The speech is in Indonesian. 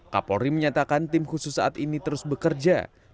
kapolri menyatakan tim khusus saat ini terus bekerja